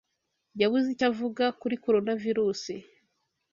Yabuze icyo avuga kuri Coronavirusi